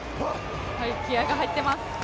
気合いが入っています。